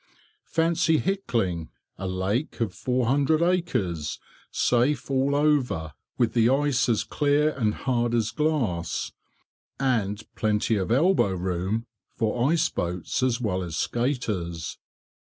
Fancy Hickling, a lake of 400 acres, safe all over, with the ice as clear and hard as glass, and plenty of "elbow room" for ice boats as well as skaters.